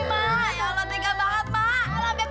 mak ya allah tegas banget mak